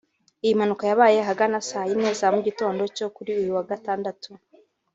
Iyi mpanuka yabaye ahagana saa yine za mu gitondo cyo kuri uyu wa Gatandatu